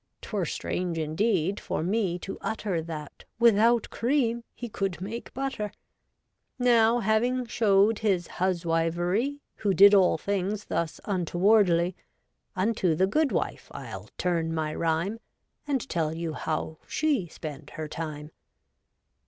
'Twere strange indeed, for me to utter That without cream he could make butter. Now having shew'd his huswivery, Who did all things thus untowardly, Unto the good wife I'll turn my rhyme, And tell you how she spent her time.